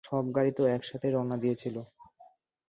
সব গাড়ি তো, এক সাথেই রওনা দিয়েছিলো।